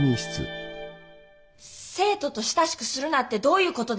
生徒と親しくするなってどういうことですか？